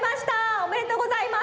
おめでとうございます。